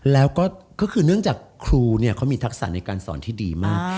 แล้วก็ก็คือเนื่องจากครูเขามีทักษะในการสอนที่ดีมาก